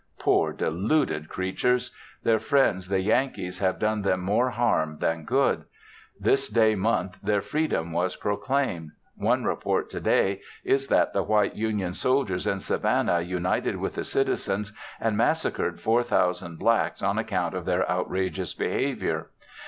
Poor deluded creatures! Their friends the Yankees have done them more harm than good; this day month their freedom was proclaimed. One report to day is that the white Union soldiers in Savannah united with the citizens and massacred 4,000 blacks on account of their outrageous behavior.